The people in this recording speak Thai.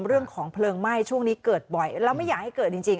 เรื่องของเพลิงไหม้ช่วงนี้เกิดบ่อยแล้วไม่อยากให้เกิดจริง